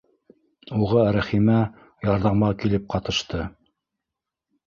Уға Рәхимә ярҙамға килеп ҡатышты.